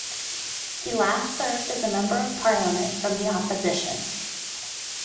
He last served as a member of parliament from the opposition.